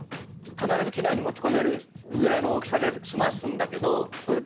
必ず機内に持ち込めるぐらいの大きさで済ますんだけど。